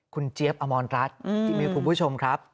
คุณเจี๊ยบอมรรณรัฐที่มีผู้ชมครับ